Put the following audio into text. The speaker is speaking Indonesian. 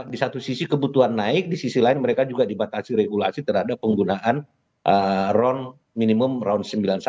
di satu sisi kebutuhan naik di sisi lain mereka juga dibatasi regulasi terhadap penggunaan ron minimum ron sembilan puluh satu